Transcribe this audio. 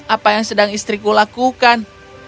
apa yang sedang istriku lakukan